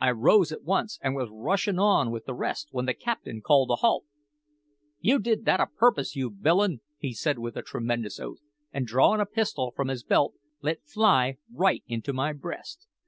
I rose at once, and was rushin' on with the rest when the captain called a halt. "`You did that a purpose, you villain!' he said with a tremendous oath, and drawin' a pistol from his belt, let fly right into my breast.